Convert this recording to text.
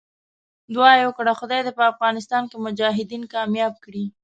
دعا یې وکړه خدای دې په افغانستان کې مجاهدین کامیاب کړي.